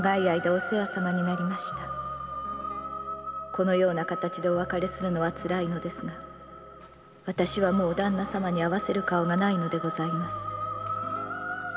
「このような形でお別れするのは辛いのですが私はもう旦那様に会わせる顔がないのでございます」